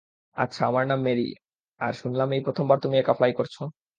আচ্ছা, আমার নাম মেরি, আর শুনলাম এই প্রথমবার তুমি একা ফ্লাই করছ।